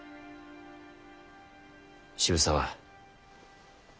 渋沢